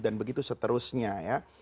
dan begitu seterusnya ya